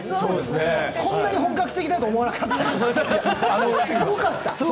こんなに本格的だと思わなかった、すごかった。